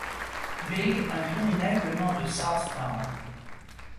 Big, un criminel venant de South Town.